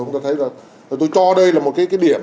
chúng tôi thấy là tôi cho đây là một cái điểm